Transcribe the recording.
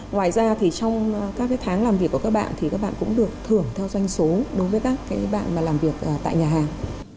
ngoài ra thì trong các tháng làm việc của các bạn thì các bạn cũng được thưởng theo doanh số đối với các bạn mà làm việc tại nhà hàng